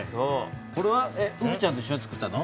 これはうぶちゃんと一しょにつくったの？